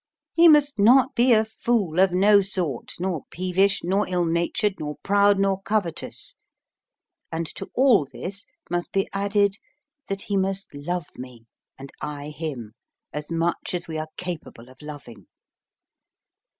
He must not be a fool of no sort, nor peevish, nor ill natured, nor proud, nor covetous; and to all this must be added, that he must love me and I him as much as we are capable of loving.